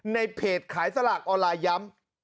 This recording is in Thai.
ในเพจขายสลากออนไลน์ย้ำ